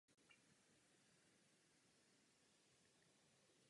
Musíme být schopni mezi těmito dvěma věcmi rozlišovat.